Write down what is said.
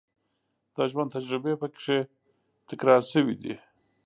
د ژوند تجربې په کې تکرار شوې دي.